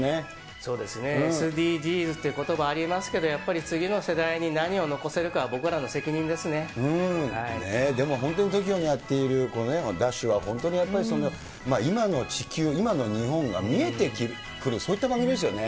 そうですね、ＳＤＧｓってことばありますけれども、やっぱり次の世代に何を残せるかは、でも本当にＴＯＫＩＯのやっているＤＡＳＨは本当に、今の地球、今の日本が見えてくる、そういった番組ですよね。